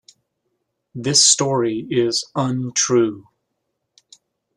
This story is untrue.